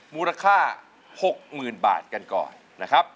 มูลค่า๖๐๐๐บาทกันก่อนนะครับ